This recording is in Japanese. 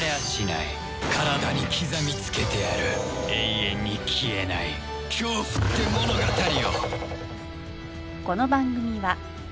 体に刻みつけてやる永遠に消えない恐怖って物語を。